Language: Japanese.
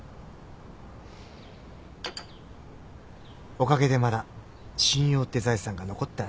おかげでまだ信用って財産が残ってたね。